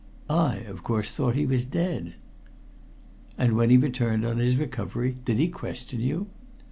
I, of course, thought he was dead." "And when he returned here on his recovery, did he question you?"